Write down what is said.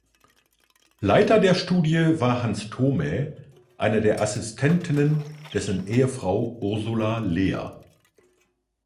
Leiter der Studie war Hans Thomae, eine der Assistentinnen dessen Ehefrau Ursula Lehr.